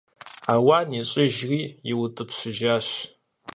Ауан ищӀыжри иутӀыпщыжащ.